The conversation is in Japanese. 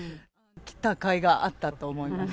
来たかいがあったと思います。